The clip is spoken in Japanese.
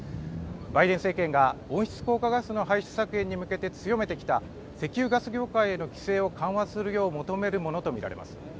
バイデン政権が温室効果ガスの排出削減に向けて強めてきた石油・ガス業界への規制を緩和するよう求めるものと見られます。